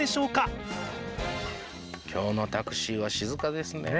今日のタクシーは静かですね。